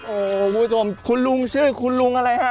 โอ้โหคุณผู้ชมคุณลุงชื่อคุณลุงอะไรฮะ